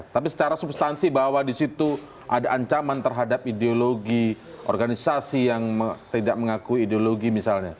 tapi secara substansi bahwa di situ ada ancaman terhadap ideologi organisasi yang tidak mengakui ideologi misalnya